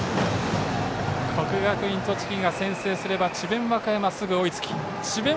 国学院栃木が先制すれば智弁和歌山、すぐ追いつき智弁